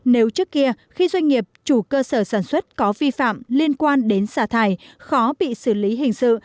nếu trước kia khi doanh nghiệp chủ cơ sở sản xuất có vi phạm liên quan đến xả thải khó bị xử lý hình sự